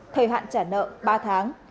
thời hạn trả nợ ba tháng